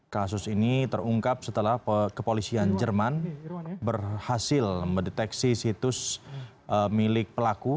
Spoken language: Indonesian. kasus ini terungkap setelah kepolisian jerman berhasil mendeteksi situs milik pelaku